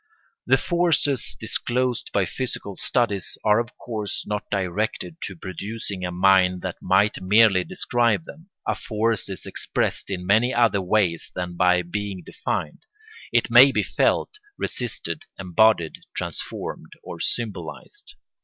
The forces disclosed by physical studies are of course not directed to producing a mind that might merely describe them. A force is expressed in many other ways than by being defined; it may be felt, resisted, embodied, transformed, or symbolised.